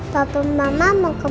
tapi mama mau kemana lagi